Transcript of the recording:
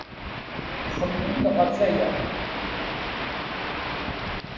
Xemmemen ɣef waya.